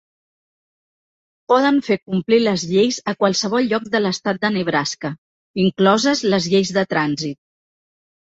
Poden fer complir les lleis a qualsevol lloc de l'estat de Nebraska, incloses les lleis de trànsit.